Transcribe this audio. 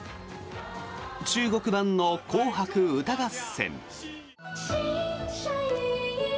中国版の「紅白歌合戦」。